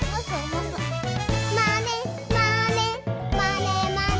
「まねまねまねまね」